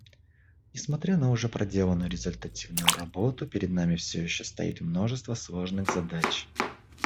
Несмотря на уже проделанную результативную работу, перед нами все еще стоит множество сложных задач.